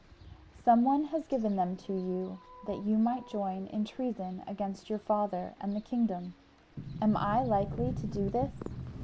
"Some one has given them to you that you might join in treason against your father and the kingdom. "Am I likely to do this?